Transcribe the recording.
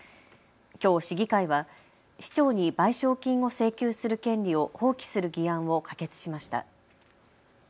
きょう市議会は市長に賠償金を請求する権利を放棄する議案を可決しました。